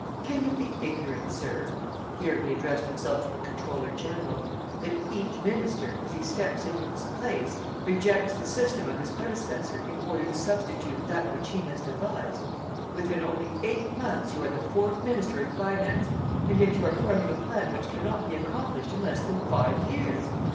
Can you be ignorant, sir (here he addressed himself to the comptroller general), that each minister, as he steps into his place, rejects the system of his predecessor in order to substitute that which he has devised? Within only eight months, you are the fourth minister of finance, and yet you are forming a plan which cannot be accomplished in less than five years!